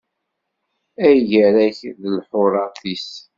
Ay gar-ak d lḥuṛat-is!